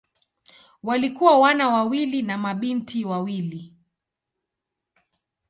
Walikuwa wana wawili na mabinti wawili.